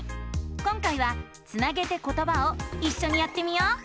今回は「つなげてことば」をいっしょにやってみよう！